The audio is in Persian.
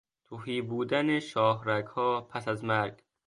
تهی بودن شاهرگها پس از مرگ